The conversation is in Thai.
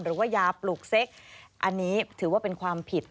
หรือว่ายาปลูกเซ็กอันนี้ถือว่าเป็นความผิด